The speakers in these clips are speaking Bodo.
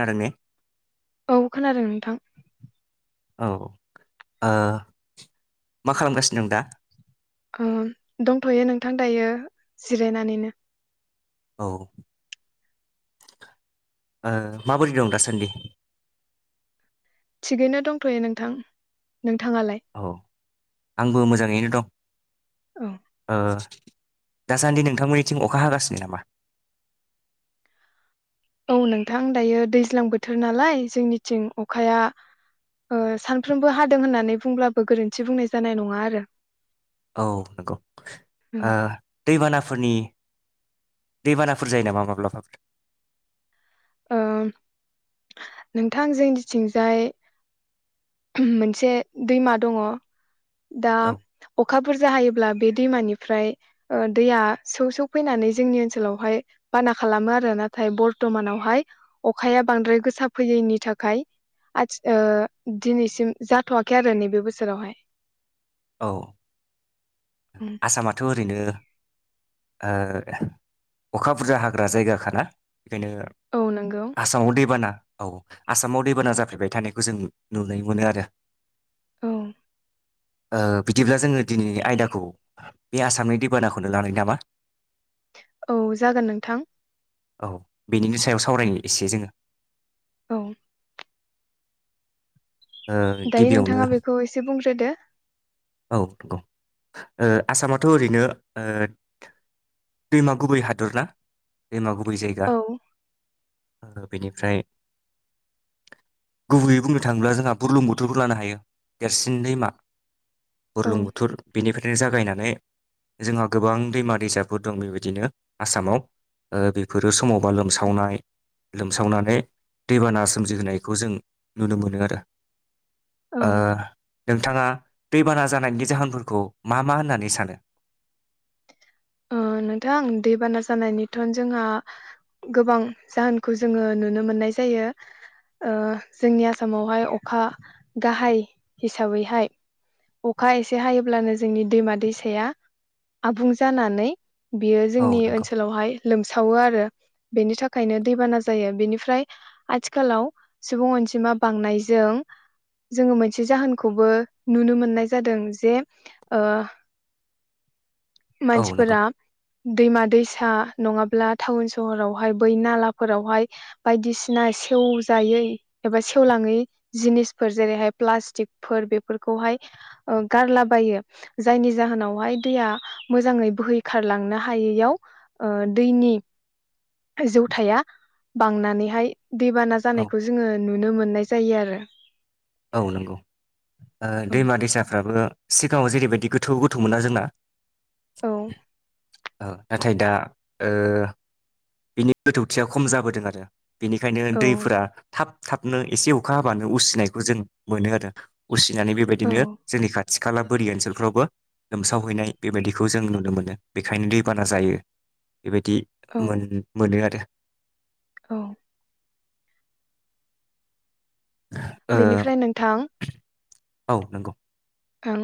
आरो ने औ खोनादों नोंथां। औ औ मा खालामगासिनो दं दा? ओम दंथ'यो नोंथां दायो जिरायनानैनो। औ ओ माबोरै दं दासान्दि? थिगैनो दंथ'यो नोंथां। नोंथाङालाय औ आंबो मोजाङैनो दं। औ ओ दासान्दि नोंथांमोननिथिं अखा हागासिनो नामा? औ नोंथां दायो दैज्लां बोथोर नालाय जोंनिथिं अखाया ओ सानफ्रोमबो हादों होननानै बुंब्लाबो गोरोन्थि बुंनाय जानाय नङा आरो। औ नंगौ औ ओ दैबानाफोरनि दैबानाफोर जायो नामा माब्लाबाफोर? ओ नोंथां जोंनिथिंजाय मोनसे दैमा दङ। दा औ अखा बुरजा हायोब्ला बे दैमानिफ्राय ओ दैया सौ-सौ फैनानै जोंनि ओनसोलावहाय बाना खालामो आरो नाथाय बरथ''मानाव हाय अखाया बांद्राय गोसाफैयैनि थाखाय आथि ओ दिनैसिम जाथ'वाखै आरो नैबे बोसोरावहाय। औ आसामाथ' ओरैनो ओ अखा बुरजा हाग्रा जायगाखाना? बेखायनो औ नंगौ आसामाव दैबाना औ आसामाव दैबाना जाफ्लेबाय थानायखौ जों नुनो मोनो आरो। औ बिदिब्ला जोङो दिनैनि आयदाखौ बे आसामनि दैबानाखौनो लानाय नामा? औ जागोन नोंथां। औ बेनिनि सायाव सावरायनो एसे जोङो। औ ओ दायो गिबियावनो नोंथाङा बेखौ एसे बुंग्रोदो। औ नंगौ आसामाथ' ओरैनो दैमा गुबै हादर ना दैमा गुबै? बै जायगा। औ बेनिफ्राय गुबैयै बुंनो थाङोब्ला जोंहा बुरलुंबुथुरबो लानो हायो देरसिन दैमा। औ बुरलुंबुथुर बेनिफ्रायनो जागायनानै, जोंहा गोबां दैमा दैसाफोर दं बेबायदिनो आसामाव बेफोरो समावबा लोमसावनाय लोमसावनानै दैबाना सोमजिहोनायखौ, जों नुनो मोनो आरो। औ ओ नोंथाङा दैबाना जानायनि जाहोनफोरखौ मा मा होननानै सानो? नोंथां दैबाना जानायनिथ' जोंहा गोबां जाहोनखौ जोङो नुनो मोननाय जायो जोंनि आसामावहाय अखा गाहाय हिसाबैहाय अखा एसे हायोब्लानो जोंनि दैमा दैसाया आबुं ज जानानै बियो औ जोंनि नंगौ ओनसोलावहाय लोमसावो आरो। बेनि थाखायनो दैबाना जायो । बेनिफ्राय आथिखालाव सुबुं अनजिमा बांनायजों जोङो मोनसे जाहोनखौबो नुनो मोननाय जादों जे औ नंगौ मानसिफोरा दैमा दैसा नङाब्ला टाउन सहरावहाय बै नालाफोरावहाय, बायदिसिना सेवजायै एबा सेवलाङै जिनिसफोर जेरैहाय प्लास्टिकफोर बेफोरखौहाय गारलाबायो, जायनि जाहोनावहाय दैया मोजाङै बोहैखारलांनो हायैयाव दैनि जौथाया बांनानैहाय दैबाना औ जानायखौ जोङो नुनो मोनो। मोननाय जायो आरो। औ नंगौ औ दैमा दैसाफ्राबो सिगाङाव जेरैबायदि गोथौ गोथौ मोनना जोंना? औ नाथाय दा बिनि गोथौथिया खम जाबोदों आरो। बेनिखायनो दैफोरा थाब थाबनो एसे अखा हाबानो उसिनायखौ जों मोनो आरो। उसिनानै औ बेबायदिनो जोंनि खा थि खाला बोरि ओनसोलफ्रावबो लोमसावहैनाय बेबायदिखौ जों नुनो मोनो, बेखायनो दै बाना जायो। बेबायदि औ मोन गारो औ। बेनिफ्राय नोंथां औ नोंगौ ओं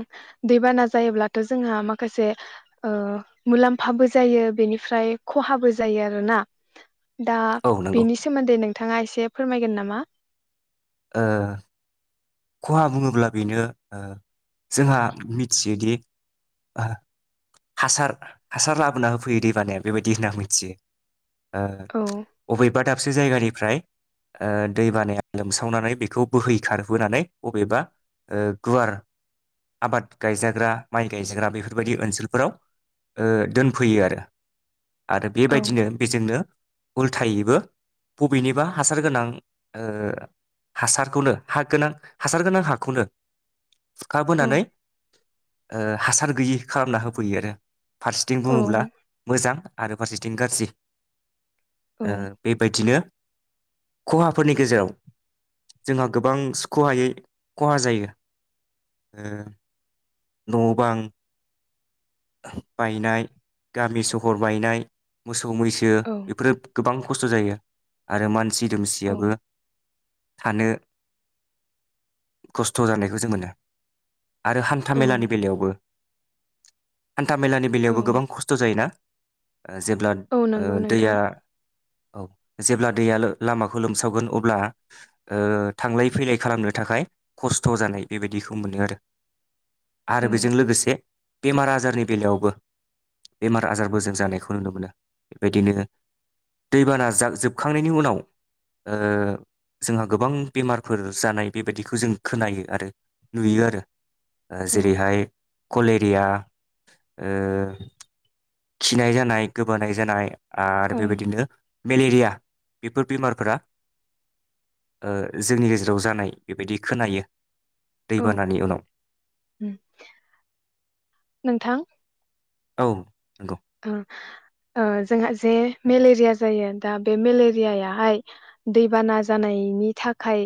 दैबाना जायोब्लाथ' जोंहा माखासे ओ मुलाम्फाबो जायो बेनिफ्राय खहाबो जायो आरोना। दा औ नंगौ बेनि सोमोन्दै नों थाङा एसे फोरमायगोन नामा? ओ खहा बुङोब्ला बेनो ओ जोंहा मिथियोदि हासार, हासार लाबोना होफैयो दैबानाया बेबायदि होनना मिथियो। औ ओ अबेबा दाब से जायगानिफ्राय ओ दै बानाया लोमसावनानै बेखौ बोहै खारहोनानै बबेबा ओ गुवार आबाद गायजाग्रा माइ गायजाग्रा बेफोरबायदि ओनसोलफोराव ओ दोनफैयो आरो। आरो औ बेबायदिनो बेजोंनो उल्थायैबो बबेनिबा हासार गोनां ओ हासारखौनो हा गोनां हासार गोनां हाखौनो औ खुरखाबोनानै ओ हासार गैयि खालामना होफैयो आरो। फारसेथिं औ बुङोब्ला मोजां आरो फारसेथिं गाज्रि। औ ओ बेबायदिनो खहाफोरनि गेजेराव जोंहा गोबां सुख'हायै ख'हा जायो ओ न' बां बायनाय गामि सहर बायनाय मोस सौ मैसो बेफोरो गोबां खस्थ' जायो आरो मान सि औ दुमसियाबो थानो खस्थ' जानायखौ जों मोनो आरो औ थामेलानि बेलायावबो। हान्थामेलानि औ बेलायावबो गोबां खस्थ' जायो ना? ओ जेब्ला औ ओ नंगौ दैया नोंथां औ जेब्ला दैया लामाखौ लोमसावगोन अब्ला ओ थांलाय फैलाय खालामनो थाखाय खस्थ जानाय बेबायदिखौ मोनो आरो। औ आरो बेजों लोगोसे। बेमार आजारनि बेलायावबो बेमार आजारबो जों जानायखौ नुनो मोनो बेबायदिनो दैबाना जोबखांनायनि उनाव ओ जोंहा गोबां बेमारफोर जानाय बेबायदिखौ जों खोनायो आरो नुयो आरो। ओ औ जेरैहाय कले । रिया ओ। खिनाय जानाय गोबानाय जानाय। आर ओं बेबायदिनो मेलेरिया। बेफोर बेमारफोरा ओ जोंनि गेजेराव जानाय बेबायदि खोनायो औ दैबानानि उनाव नोंथां! औ। नंगौ जोंहा ओ जोंहा जे मेलेरिया जायो दा बे मेलेरियाहाय दैबाना जानायनि थाखाय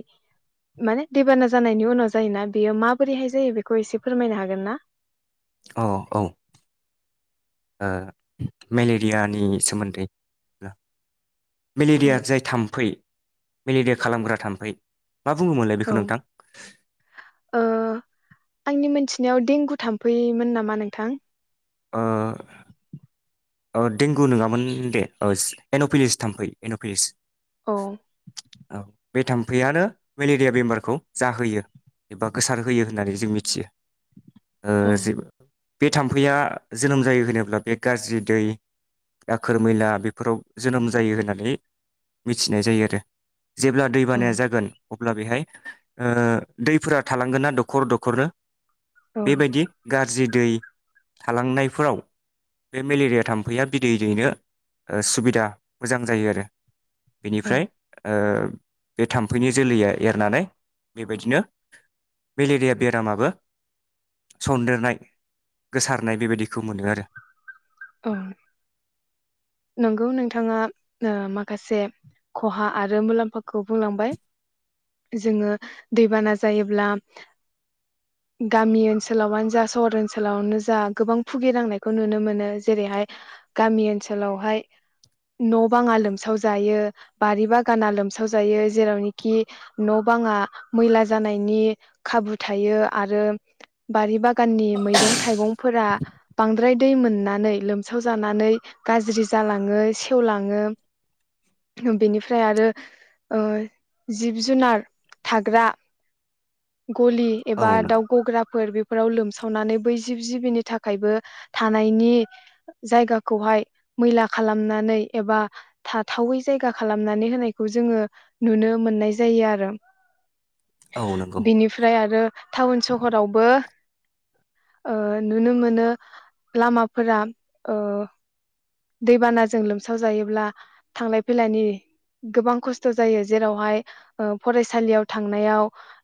माने दैबाना जानायनि उनाव जायोना बेयो माबोरैहाय जायो बेखौ एसे फोरमायनो हागोन ना। अ औ ओ मेलेरियानि सोमोन्दै औ मेलेरिया जाय थाम्फै मेलेरिया खालामग्रा थाम्फै मा बुङोमोनलाय औ बेखौ नोंथां ओ आंनि मोनथिनायाव देंगु थाम्फैमोन नामा नोंथां। ओ। औ देंगु नङामोन दे औ एनफिलिस थाम्फै एनफिलिस औ। औ बे थाम्फैयानो मेलेरिया बेमारखौ जाहोयो एबा गोसारहोयो होननानै जों मिथियो औ ओ बे थाम्फैया जोनोम जायो होनोब्ला बे गाज्रि दै दाखोर मैला बेफोराव जोनोम जायो होननानै मिथिनाय जायो आरो। जेब्ला दै औ बानाया जागोन अब्ला बेहाय ओ दैफोरा थालांगोन ना दखर दखरनो औ बेबायदि गाज्रि दै थालांनायफोराव बे मेलेरिया थाम्फैया बिदै दैनो सुबिदा मोजां जायो आरो। औ बेनिफ्राय ओ बे थाम्फैनि जोलैया एरनानै बेबायदिनो मेलेरिया बेरामाबो सनदेरनाय गोसारनाय बेबायदिखौ मोनदों आरो औ। नंगौ नोंथाङा ओ माखासे खहा आरो मुलाम्फाखौ बुंलांबाय जोङो दैबाना जायोब्ला गामि ओनसोलावानो जा सहर ओनसोलावनो जा गोबां भुगिनांनायखौ नुनो मोनो जेरैहाय गामि ओनसोल ओनसोलावहाय न बाङा लोमसाव जायो बारि बागाना लोमसाव जायो जेरावनोखि न बाङा मैला जानायनि खाबु थायो आरो बारि बागान दखाननि मैगं थाइगंफोरा बांद्राय दै मोननानै लोमसाव जानानै गाज्रि जालाङो सेवलाङो बेनिफ्राय ओ आरो जिब जुनार थाग्रा गलि औ एबा नंगौ दाउ गग्राफोर बे फोराव लोमसावनानै बै जिब जिबिनि थाखायबो थानायनि जायगाखौहाय मैला खालामनानै एबा थाथावै जायगा खालामनानै होनायखौ जोङो नुनो मोननाय जायो आरो औ नंगौ बिनिफ्राय आरो टाउन सहरावबो ओ नुनो मोनो लामाफोरा ओ दैबानाजों लोमसाव जायोब्ला थांलाय फैलायनि गोबां खस्थ जायो जेरावहाय फरायसालियाव थांनायाव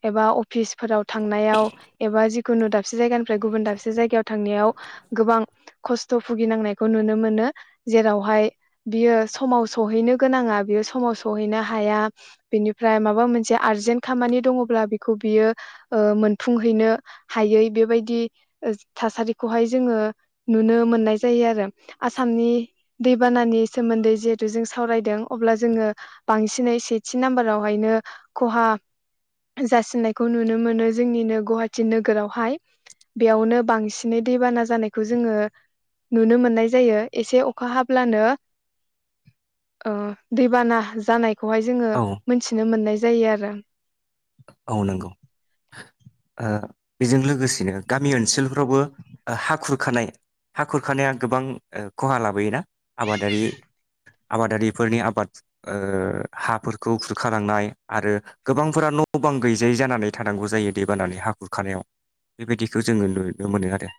एबा अफिसफोराव थांनायाव एबा जि गुनु दाबसे जायगानिफ्राय गुबुन दाबसे जायगायाव थांनायाव गोबां खस्थ भुगिनांनायखौ नुनो मो मोनो जेरावहाय बियो समाव सहैनो गोनाङा बियो समाव सहैनो हाया बिनिफ्राय माबा मोनसे आरजेन्ट खामानि दङब्ला बेखौ बियो मोनफुंहैनो हायै बेबायदि थासारिखौहाय जोङो नुनो मोननाय जायो आरो आसामनि दैबानानि सोमोन्दै जिहेथु जों सावरायदों अब्ला जोङो बांसिनै सेथि नाम्बारावहायनो खहा जासिननायखौ नुनो मोनो जोंनिनो गुवाहाटि नोगोरावहाय बेयावनो बांसिनै दैबाना जानायखौ जोङो नुनो मोननाय जायो एसे अखा हाब्लानो दैबाना जा बेखौहाय जोङो औ मोनथिनो मोननाय जायो आरो औ नंगौ बेजों लोगोसेनो गामि ओनसोलफोरावबो हा खुरखानाय हा खुरखानाया गोबां खहा लाबोयोना आबादारि आबादारिफोरनि आबाद ओ हाफोरखौ खुरखालांनाय आरो गोबांफोरा न' न' बां गैजायै जानानै थानांगौ जायो दैबानानानै हा खुरखानायाव बेबायदिखौ जोङो नुनो मोनो आरो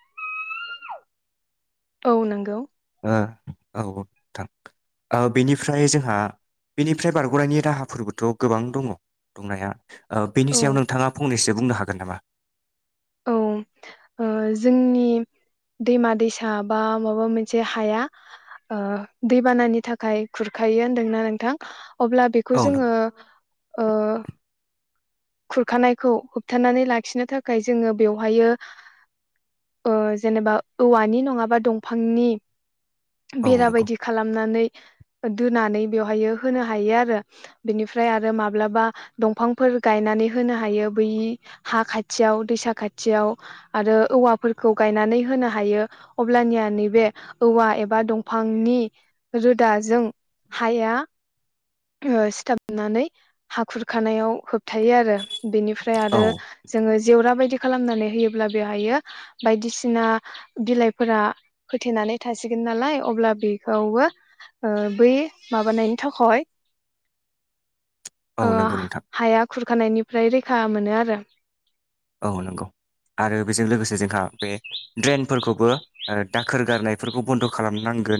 औ नंगौ ओ औ नोंथां बेनिफ्राय जोंहा बेनिफ्राय बारग'नायनि राहाफोरबोथ' गोबां दङ दंनाया ओ बेनि औ सायाव नोंथाङा फंनैसो जे बुंनो हागोन नामा? औ जोंनि दैमा दैसा बा माबा मोनसे हाया दैबानानि थाखाय खुरखायो होनदोंना नोंथां अब्ला बेखौ औ जोङो नंगौ खुरखानायखौ होबथानानै लाखिनो थाखाय जोङो बेवहायो ओ जेनेबा औवानि नङाबा दंफांनि औ बेरा नंगौ बायदि खालामनानै दोनानै बेवहाय होनो हायो आरो बेनिफ्राय आरो माब्लाबा दंफांफोर गायनानै होनो हायो बै हा खाथियाव दैैसा खाथियाव आरो औवाफोरखौ गायनानै होनो हायो अब्लानिया नैबे औवा एबा दंफांनि रोदाजों हाया सिथाबनानै हा खुरखानायाव होबथायो आरो बेनिफ्राय औ आरो जोङो बायदि खालामनानै होयोब्ला बेहायो बायदिसिना बिलाइफोरा फोथेनानै थासिगोन नालाय अब्ला बेखौबो बै माबानायनि थाखाय औ ओ नंगौ नोंथां हाया खुरखानायनिफ्राय रैखा मोनो आरो औ नंगौ आरो बेजों लोगोसे जोंहा बे ड्रेनफोरखौबो दाखोर गारनायफोरखौ बन्द' खालाम नांगौ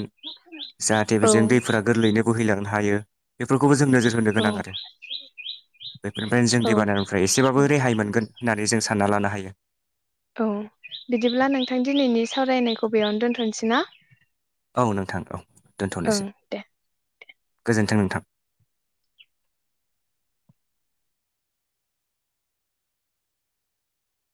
जाहाथे औ बेजों दैफोरा गोरलैनो बोहैलांनो हायो बेफोरखौबो ज जों नोजोर होनो औ गोनां आरो बेफोरनिफ्रायनो जों औ दैबाननिफ्राय एसेबाबो औ रेहाय मोनगोन । होननानै जों सानना लानो हायो औ बिदिब्ला नोंथां दिनैनि सावरायनायखौ बेयावनो दोन्थ'नोसै ना? औ नोंथां औ ओं दोनथ'नोसै दे गोजोन्थों नों थां ।